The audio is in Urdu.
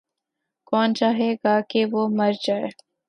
کون چاہے گا کہ وہ مر جاَئے۔